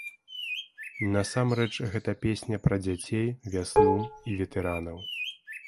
Насамрэч гэта песня пра дзяцей, вясну і ветэранаў.